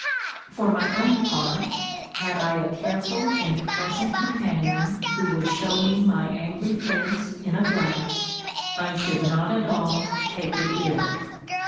* For my own part, had I a careful and pleasant compan ion who would show me my angry face in a glass, I should not at all take it ill.